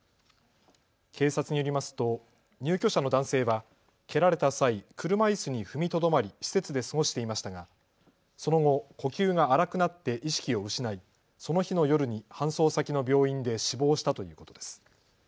警察によりますと入居者の男性は蹴られた際、車いすに踏みとどまり施設で過ごしていましたがその後、呼吸が荒くなって意識を失い、その日の夜に搬送先の病院で死亡したということです。